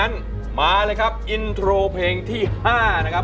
นั้นมาเลยครับอินโทรเพลงที่๕นะครับ